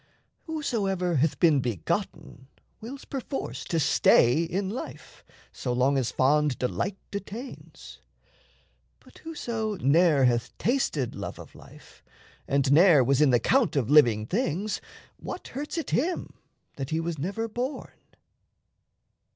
Whosoever Hath been begotten wills perforce to stay In life, so long as fond delight detains; But whoso ne'er hath tasted love of life, And ne'er was in the count of living things, What hurts it him that he was never born?